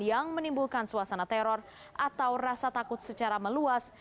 yang menimbulkan suasana teror atau rasa takut secara meluas